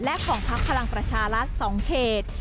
และของพักพลังประชารัฐ๒เขต